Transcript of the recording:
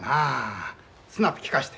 スナップきかして。